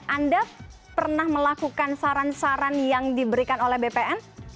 anda pernah melakukan saran saran yang diberikan oleh bpn